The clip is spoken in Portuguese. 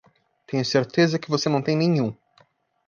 Tenho certeza que você não tem nenhum.